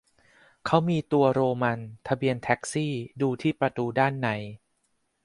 เขามีตัวโรมัน ทะเบียนแท็กซี่ ดูที่ประตูด้านใน